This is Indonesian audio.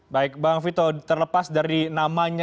baik bang vito terlepas dari namanya